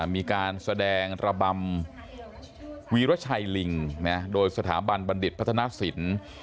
มีการแสดงระบำวีรชัยลิงโดยสถาบันบัณฑิตพัฒนศิลป์